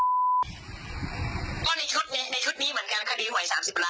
ก็ในชุดเนี่ยในชุดนี้เหมือนกันคดีหวย๓๐ล้านเนี่ย